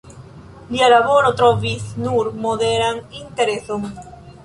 Lia laboro trovis nur moderan intereson.